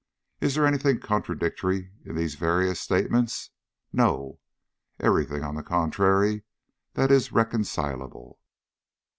Is there any thing contradictory in these various statements? No. Every thing, on the contrary, that is reconcilable.